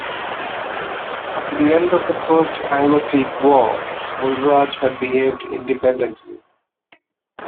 After the end of the First Anglo-Sikh war, Mulraj had behaved independently.